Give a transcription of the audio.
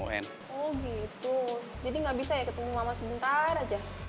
oh gitu jadi nggak bisa ya ketemu mama sebentar aja